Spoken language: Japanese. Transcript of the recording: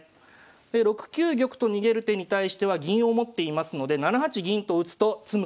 で６九玉と逃げる手に対しては銀を持っていますので７八銀と打つと詰む形です。